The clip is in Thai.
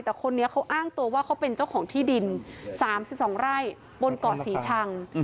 แต่คนนี้เขาอ้างตัวว่าเขาเป็นเจ้าของที่ดิน๓๒ไร่บนเกาะศรีชัง